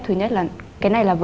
thứ nhất là cái này là vấn đề